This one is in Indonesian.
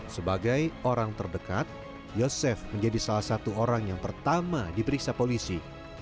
sebagai orang terdekat yosef menjadi salah satu orang yang pertama diperiksa polisi